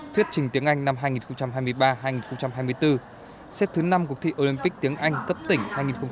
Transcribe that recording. thuyết trình tiếng anh năm hai nghìn hai mươi ba hai nghìn hai mươi bốn xếp thứ năm cuộc thi olympic tiếng anh cấp tỉnh hai nghìn hai mươi ba hai nghìn hai mươi bốn